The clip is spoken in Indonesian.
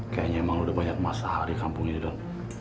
kayaknya emang udah banyak masalah di kampung ini don